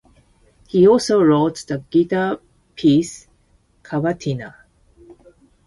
He also wrote the guitar piece "Cavatina".